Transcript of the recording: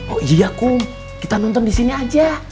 oh iya kum kita nonton disini aja